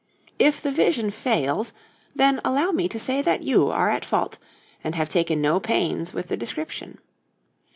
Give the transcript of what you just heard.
If the vision fails, then allow me to say that you are at fault, and have taken no pains with the description.